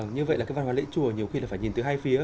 như vậy là cái văn hóa lễ chùa nhiều khi là phải nhìn từ hai phía